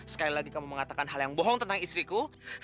sekali lagi kamu mengatakan hal yang bohong tentang istriku